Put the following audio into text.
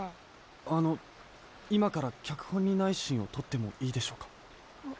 あのいまからきゃくほんにないシーンをとってもいいでしょうか？